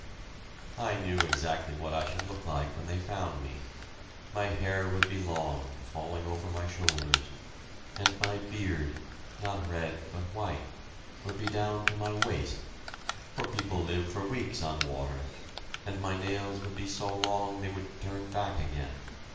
I knew exactly what I should look like when they found me. My hair would be long, falling over my shoulders, and my beard not red, but white would be down to my waist, for people live for weeks on water, and my nails would be so long they would turn back again...